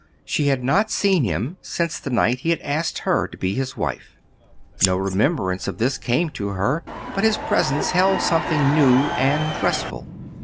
She had not seen him since the night he had asked her to be his wife. No remembrance of this came to her, but his presence held something new and restful.